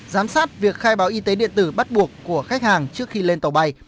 giám sát việc khai báo y tế điện tử bắt buộc của khách hàng trước khi lên tàu bay